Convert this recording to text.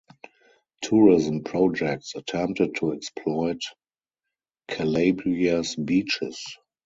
Tourism projects attempted to exploit Calabria's beaches.